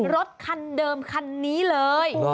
รถคันเดิมคันนี้เลย